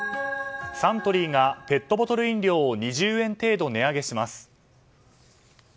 サントリーがペットボトル飲料を２０円程度値上げします。